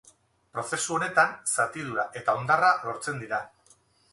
Prozesu honetan, zatidura eta hondarra lortzen dira.